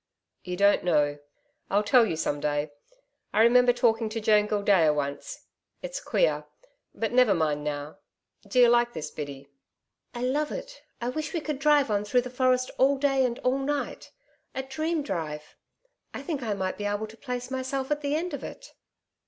'You don't know I'll tell you some day. I remember talking to Joan Gildea once.... It's queer.... But never mind now. D'ye like this, Biddy?' 'I love it. I wish we could drive on through the forest all day and all night a dream drive. I think I might be able to place myself at the end of it.'